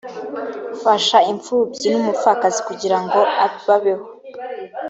fasha imfubyi n’umupfakazi kugira ngo babeho